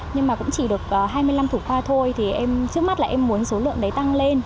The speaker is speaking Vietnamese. nhưng mà cũng chỉ được hai mươi năm thủ khoa thôi thì em trước mắt là em muốn số lượng đấy tăng lên